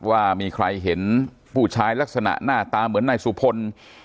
ว่ามีใครเห็นผู้ชายลักษณะหน้าตาเหมือนนายสุพล